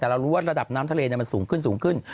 แต่เรารู้ว่าระดับน้ำทะเลมันสูงขึ้นสูงขึ้น